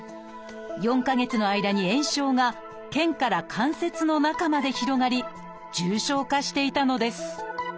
４か月の間に炎症が腱から関節の中まで広がり重症化していたのです。